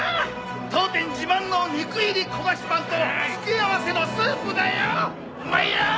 当店自慢の肉入り焦がしパンと付け合わせのスープだよ旨いよ！